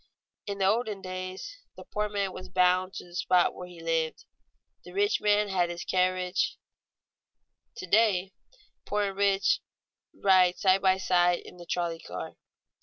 _ In the olden days the poor man was bound to the spot where he lived, the rich man had his carriage; to day poor and rich ride side by side in the trolley car.